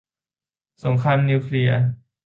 สงครามนิวเคลียร์